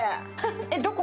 えっどこ？